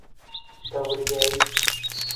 بەوریایی!